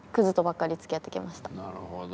なるほど。